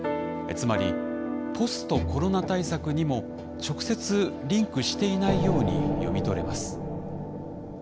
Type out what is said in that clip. つまりポストコロナ対策にも直接リンクしていないように読み取れます。